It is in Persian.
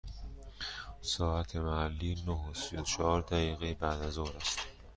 ساعت محلی نه و سی و چهار دقیقه بعد از ظهر است.